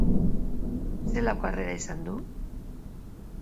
Zelako harrera izan du?